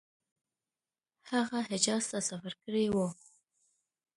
هغه حجاز ته سفر کړی وو.